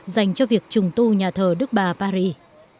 dành cho việc trùng tu nhà thờ đức bà paris